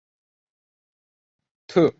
斡特懒返还回家。